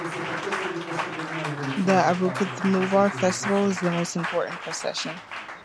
The "Arupathimoovar" festival is the most important procession.